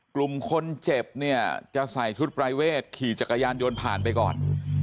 กลุ่มคนเจ็บเนี่ยจะใส่ชุดปรายเวทขี่จักรยานยนต์ผ่านไปก่อน